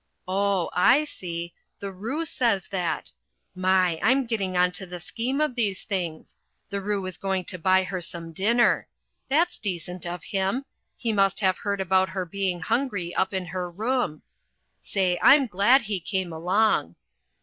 Oh, I see! The Roo says that! My! I'm getting on to the scheme of these things the Roo is going to buy her some dinner! That's decent of him. He must have heard about her being hungry up in her room say, I'm glad he came along.